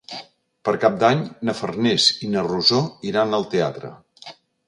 Per Cap d'Any na Farners i na Rosó iran al teatre.